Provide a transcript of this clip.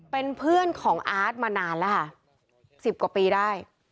เป็นเพื่อนของอาร์ตมานานแล้วค่ะ๑๐กว่าปีได้